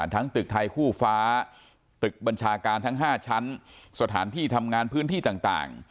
ตึกไทยคู่ฟ้าตึกบัญชาการทั้ง๕ชั้นสถานที่ทำงานพื้นที่ต่าง